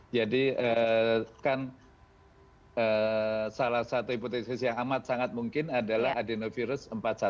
jadi kan salah satu hipotesis yang amat sangat mungkin adalah adenovirus empat puluh satu